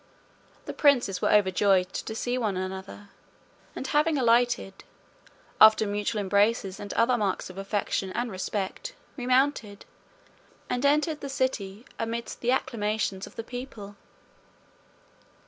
The princes were overjoyed to see one another, and having alighted, after mutual embraces and other marks of affection and respect, remounted, and entered the city, amidst the acclamations of the people.